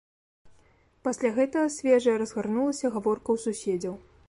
Пасля гэтага свежая разгарнулася гаворка ў суседзяў.